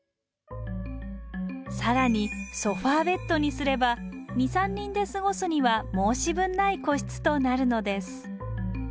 更にソファーベッドにすれば２３人で過ごすには申し分ない個室となるのです。